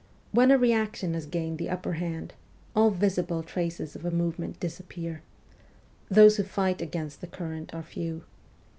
When a reaction has gained the upper hand, all visible traces of a movement disappear. Those who fight against the current are few.